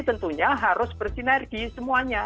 tentunya harus bersinergi semuanya